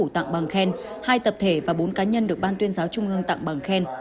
hai tập thể và bốn cá nhân được bàn tuyên giáo trung ương tặng bằng khen